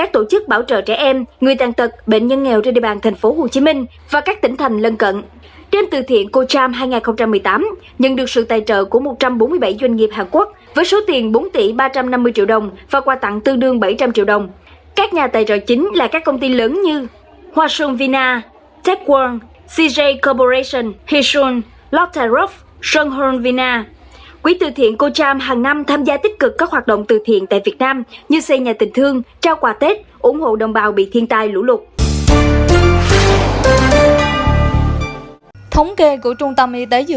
thống kê của trung tâm y tế dược phòng tp hcm